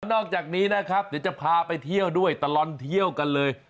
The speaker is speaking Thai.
นอกจากนี้นะครับเดี๋ยวจะพาไปเที่ยวด้วยตลอดเที่ยวกันเลย